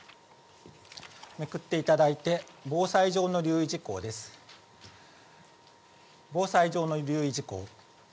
めくっていただいて、防災上の留意事項です。